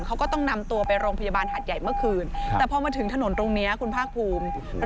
เขาก็ต้องนำตัวไปโรงพยาบาลหัดใหญ่เมื่อคืนแต่พอมาถึงถนนตรงนี้คุณภาคภูมิ